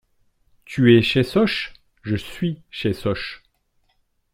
Tu es chez Sosh? Je suis chez Sosh.